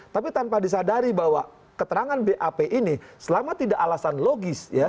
tapi tanpa disadari bahwa keterangan bap ini selama tidak alasan logis